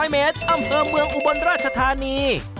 ๑๐๐เมตรอำเฮบเมืองอุบรรยชาธารณี